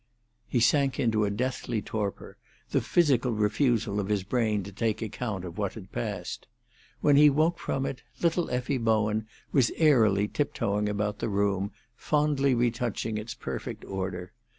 He sank into a deathly torpor, the physical refusal of his brain to take account of what had passed. When he woke from it, little Effie Bowen was airily tiptoeing about the room, fondly retouching its perfect order.